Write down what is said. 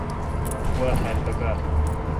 گوا تھال پکار۔